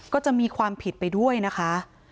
ก็จะมีความผิดไปด้วยนะคะ